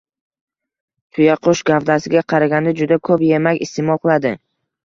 Tuyaqush gavdasiga qaraganda juda ko‘p yemak iste’mol qiladi